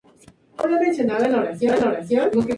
Tiene historial de tornados.